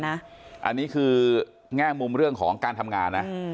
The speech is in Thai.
อันนี้คือแง่มุมเรื่องของการทำงานนะ